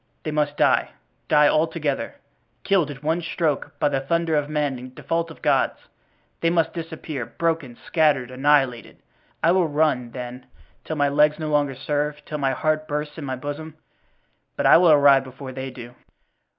They must die—die all together—killed at one stroke by the thunder of men in default of God's. They must disappear, broken, scattered, annihilated. I will run, then, till my legs no longer serve, till my heart bursts in my bosom but I will arrive before they do."